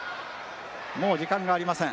もう時間がありません。